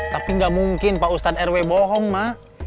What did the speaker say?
tapi enggak mungkin pak ustadz seterwe bohong ma